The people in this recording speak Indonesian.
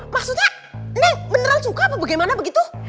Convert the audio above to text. maksudnya neng beneran suka apa bagaimana begitu